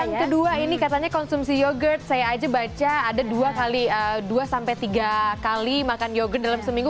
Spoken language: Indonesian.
yang kedua ini katanya konsumsi yogurt saya aja baca ada dua sampai tiga kali makan yogurt dalam seminggu